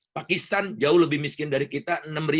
pakistan jauh lebih miskin dari kita enam satu ratus lima belas